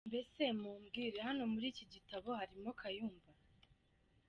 mbese mumbwire, hano muri iki gitabo harimo Kayumba?